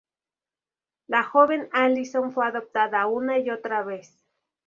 La joven Allison fue adoptada una y otra vez.